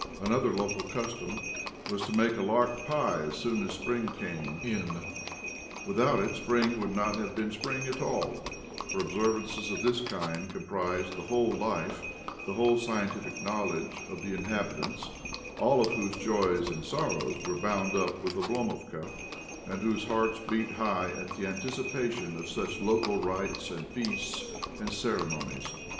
Another local custom was to make a lark pie as soon as spring came in. Without it spring would not have been spring at all, for observances of this kind comprised the whole life, the whole scientific knowledge, of the inhabitants, all of whose joys and sorrows were bound up with Oblomovka, and whose hearts beat high at the anticipation of such local rites and feasts and ceremonies.